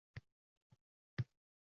Ostimizda yog’och arg’umoq